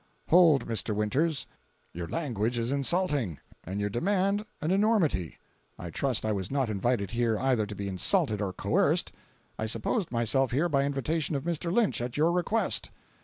"Hold, Mr. Winters. Your language is insulting and your demand an enormity. I trust I was not invited here either to be insulted or coerced. I supposed myself here by invitation of Mr. Lynch, at your request."